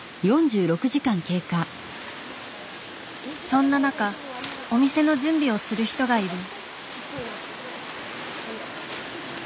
そんな中お店の準備をする人がいる。